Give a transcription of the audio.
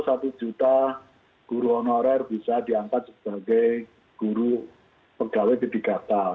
tahun dua ribu dua puluh satu betul betul satu juta guru honorer bisa diangkat sebagai guru pegawai p tiga k